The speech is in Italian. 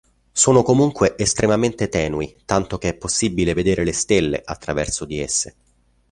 Sono comunque estremamente tenui, tanto che è possibile vedere le stelle attraverso di esse.